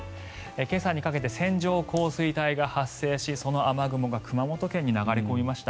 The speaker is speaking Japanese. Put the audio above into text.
今朝にかけて線状降水帯が発生しその雨雲が熊本県に流れ込みました。